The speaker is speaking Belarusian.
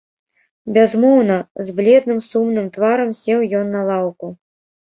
Бязмоўна, з бледным сумным тварам сеў ён на лаўку.